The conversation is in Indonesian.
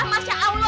masya allah ya